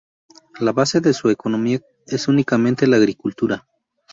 La base de su economía es únicamente la agricultura.